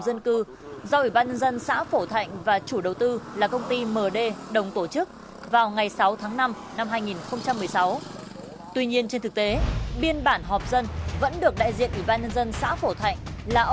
là ủy ban nhân dân xã thông báo bất kỳ nội dung gì liên quan đến việc sẽ xây dựng nhà máy